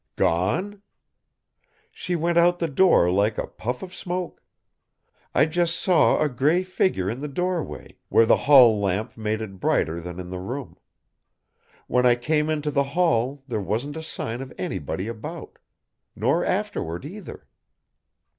"Gone?" "She went out the door like a puff of smoke. I just saw a gray figure in the doorway, where the hall lamp made it brighter than in the room. When I came into the hall there wasn't a sign of anybody about. Nor afterward, either!"